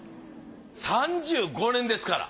３５年ですから。